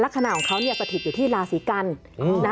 ลากคะนาของเขาสะถิบอยู่ที่ลาศีกัณฐ์